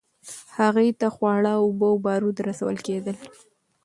هغې ته خواړه، اوبه او بارود رسول کېدل.